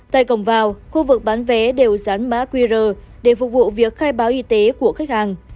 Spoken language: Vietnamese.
tại cổng vào khu vực bán vé đều dán mã qr để phục vụ việc khai báo y tế của khách hàng